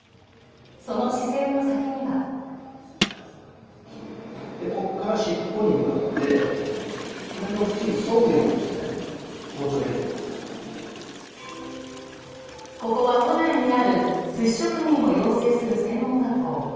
その視線の先にはここは都内にあるすし職人を養成する専門学校。